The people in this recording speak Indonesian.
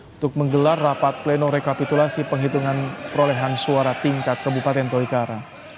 untuk menggelar rapat pleno rekapitulasi penghitungan perolehan suara tingkat kabupaten tolikara